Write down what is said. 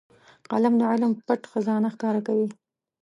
قلم د علم پټ خزانه ښکاره کوي